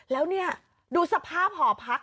แล้วนี่ดูสภาพหอพัก